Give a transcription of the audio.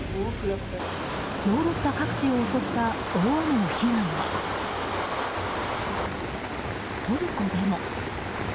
ヨーロッパ各地を襲った大雨の被害は、トルコでも。